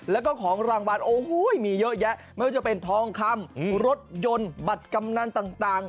แล้วก็ของรางวัลโอ้โหมีเยอะแยะไม่ว่าจะเป็นทองคำรถยนต์บัตรกำนันต่าง